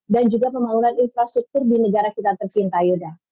dan juga pembangunan infrastruktur di negara kita tercinta yuda